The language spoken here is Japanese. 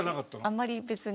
あんまり別に。